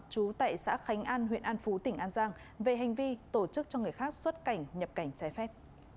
trú tại xã khánh an huyện an phú tỉnh an giang về hành vi tổ chức cho người khác xuất cảnh nhập cảnh trái phép